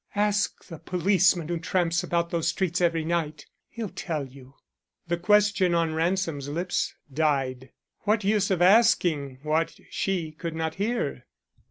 "Ask the policeman who tramps about those streets every night; he'll tell you." The question on Ransom's lips died. What use of asking what she could not hear.